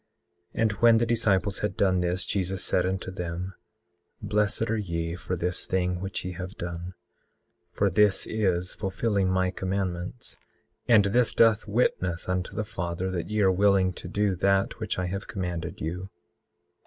18:10 And when the disciples had done this, Jesus said unto them: Blessed are ye for this thing which ye have done, for this is fulfilling my commandments, and this doth witness unto the Father that ye are willing to do that which I have commanded you.